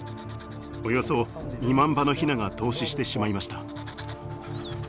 およそ２万羽のヒナが凍死してしまいました。